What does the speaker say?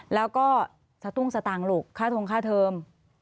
แล้วก็สตุ้งสตางค์ลูกค่าทงค่าเทอม